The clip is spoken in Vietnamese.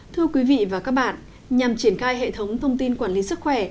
thưa quý vị và các bạn nhằm triển khai hệ thống thông tin quản lý sức khỏe